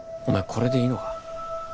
これでいいのか？